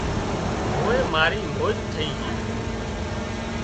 هوي مارِي موج ٿئي جھئي